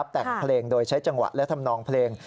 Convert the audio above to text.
แต่งเพลงโดยใช้จังหวะและทำนองเพลง